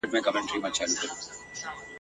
د تقدیر لوبه روانه پر خپل پله وه ..